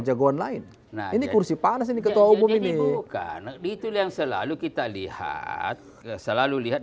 jagoan lain nah ini kursi panas ini ketua umum ini bukan itu yang selalu kita lihat selalu lihat